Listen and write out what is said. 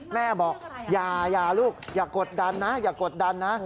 แม่บอกอย่าลูกอย่ากดดันนะอย่ากดดันนะ